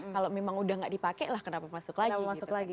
kalau memang udah nggak dipakai lah kenapa masuk lagi